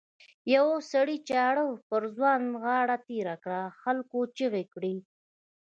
یوه سړي چاړه پر ځوان غاړه تېره کړه خلکو چیغې کړې.